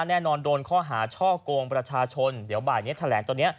แน่นอนโดนข้อหาช่อกงประชาชนเดี๋ยวบ่ายนี้แถลงตอนนี้